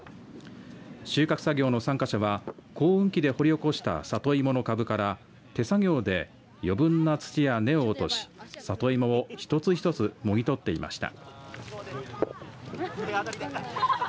収穫作業の参加者は耕うん機で掘り起こした里芋の株から手作業で余分な土や根を落とし里芋を一つ一つもぎ取っていました。